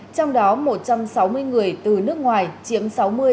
trong đó một trăm sáu mươi người từ nước ngoài chiếm sáu mươi hai